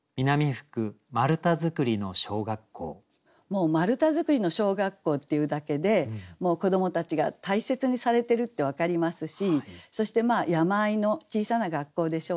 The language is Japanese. もう「丸太造りの小学校」っていうだけで子どもたちが大切にされてるって分かりますしそして山あいの小さな学校でしょうかね。